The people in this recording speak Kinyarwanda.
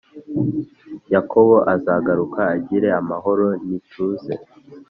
Yakobo azagaruka agire amahoro n ituze